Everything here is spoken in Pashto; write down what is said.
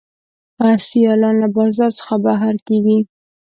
سیالان له بازار څخه بهر کیږي.